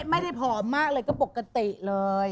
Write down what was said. ไม่คนผอมมากเหรอก็ปกติเลย